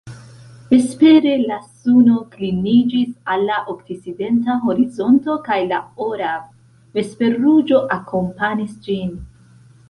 Vespere, la suno kliniĝis al la okcidenta horizonto kaj la ora vesperruĝo akompanis ĝin.